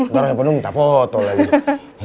ntar yang penuh minta foto lagi